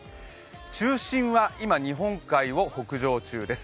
中心は今、日本海を北上中です。